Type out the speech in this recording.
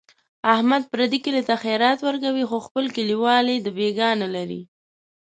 احمد پردي کلي ته خیرات ورکوي، خو خپل کلیوال یې دبیګاه نه لري.